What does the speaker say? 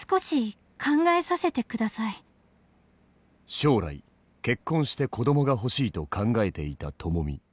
将来結婚して子供が欲しいと考えていたともみ。